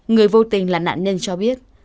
người vô tình là nạn nhân cho biết